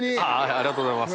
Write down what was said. ありがとうございます。